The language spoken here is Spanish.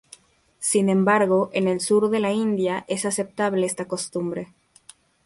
Sin embargo en el sur de la India es aceptable esta costumbre.